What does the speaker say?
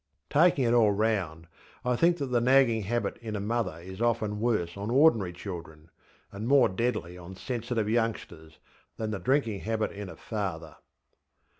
Taking it all round, I think that the nagging habit in a mother is often worse on ordinary children, and more deadly on sensitive youngsters, than the drinking habit in a father.